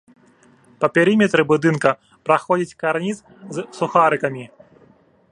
Па перыметры будынка праходзіць карніз з сухарыкамі.